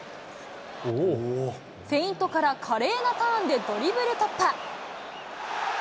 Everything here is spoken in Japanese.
フェイントから華麗なターンでドリブル突破。